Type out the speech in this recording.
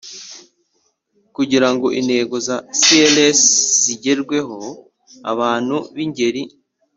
Kugirango intego za crc zigerweho abantu b ingeri